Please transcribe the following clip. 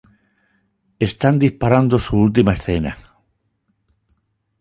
Están disparando su última escena.